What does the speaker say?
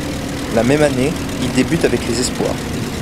La même année, il débute avec les Espoirs.